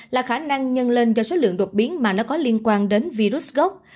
là khả năng nhân lên do số lượng đột biến mà nó có liên quan đến virus gốc